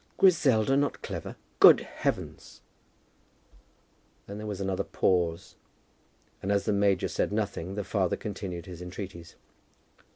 "Griselda not clever! Good heavens!" Then there was another pause, and as the major said nothing, the father continued his entreaties.